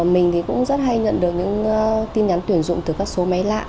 mình thì cũng rất hay nhận được những tin nhắn tuyển dụng từ các số máy lạ